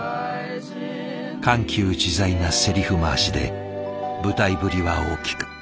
緩急自在なせりふ回しで舞台ぶりは大きく。